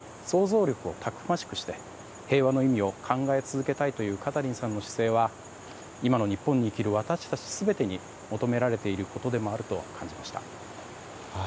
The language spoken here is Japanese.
直接、戦争を経験していない自分だからこそ想像力をたくましくして平和の意味を考え続けたいというカタリンさんの姿勢は今の日本に生きる私たち全てに求められていることもであると感じました。